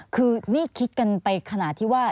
คือนี่คิดกันไปขนาดที่ว่า